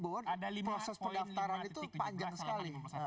bahwa proses pendaftaran itu panjang sekali